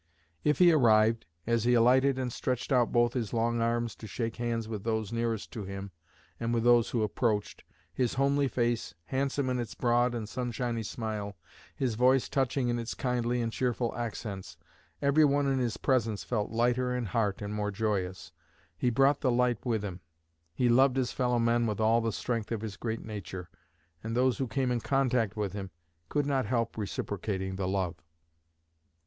If he arrived, as he alighted and stretched out both his long arms to shake hands with those nearest to him and with those who approached, his homely face handsome in its broad and sunshiny smile, his voice touching in its kindly and cheerful accents, everyone in his presence felt lighter in heart and more joyous. He brought light with him. He loved his fellow men with all the strength of his great nature, and those who came in contact with him could not help reciprocating the love."